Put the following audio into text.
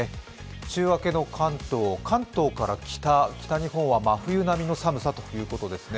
週明けの関東、関東から北、北日本は真冬並みの寒さということですね。